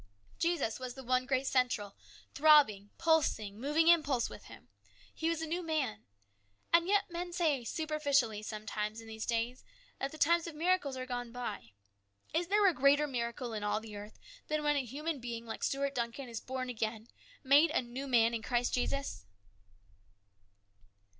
Jesus was the one great central, throbbing, pulsing, moving impulse with him. He was a new man. And yet men say, superficially, sometimes in these days, that the times of miracles are gone by. Is there a greater miracle in all the earth than when a human being like Stuart Duncan is born again, made a new man in Christ Jesus